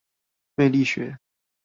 魅力學